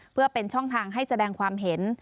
เพื่อเป็นช่องทางให้แสดงความเห็น